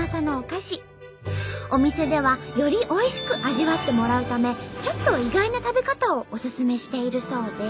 お店ではよりおいしく味わってもらうためちょっと意外な食べ方をおすすめしているそうで。